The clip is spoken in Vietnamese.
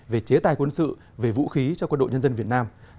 về chế tài quân sự về vũ khí cho quân đội nhân dân việt nam